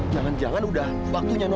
jangan jangan udah waktunya